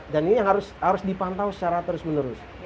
dan ini harus dipantau secara terus menerus